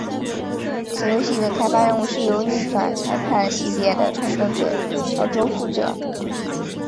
此游戏的开发任务是由逆转裁判系列的创造者巧舟负责。